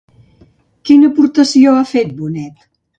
Quina aportació ha fet Bonet?